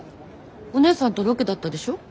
お姉さんとロケだったでしょ。